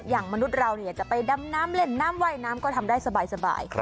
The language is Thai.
มนุษย์เราจะไปดำน้ำเล่นน้ำว่ายน้ำก็ทำได้สบาย